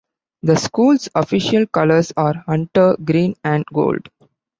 The school's official colors are hunter green and gold.